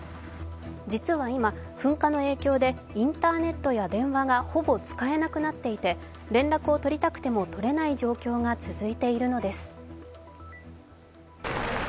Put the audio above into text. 実は今、噴火の影響でインターネットや電話がほぼ使えなくなっていて連絡を取りたくても取れない状況が続いているのです。